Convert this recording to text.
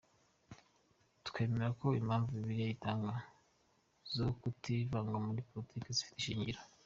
Twemera ko impamvu Bibiliya itanga zo kutivanga muri politiki zifite ishingiro.